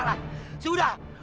mana buktikan buktikan padaku